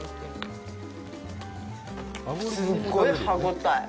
すっごい歯応え。